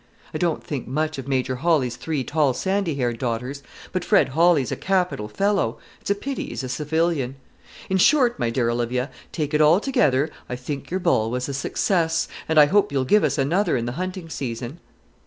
I don't think much of Major Hawley's three tall sandy haired daughters; but Fred Hawley's a capital fellow: it's a pity he's a civilian. In short, my dear Olivia, take it altogether, I think your ball was a success, and I hope you'll give us another in the hunting season."